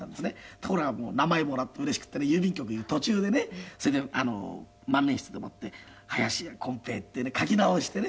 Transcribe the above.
ところが名前もらってうれしくってね郵便局行く途中でね万年筆でもって林家こん平ってね書き直してね